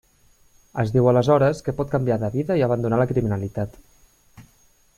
Es diu aleshores que pot canviar de vida i abandonar la criminalitat.